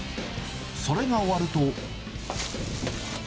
それが終わると。